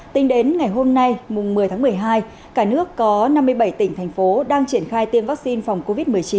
tính đến ngày hôm nay mùng một mươi tháng một mươi hai cả nước có năm mươi bảy tỉnh thành phố đang triển khai tiêm vaccine phòng covid một mươi chín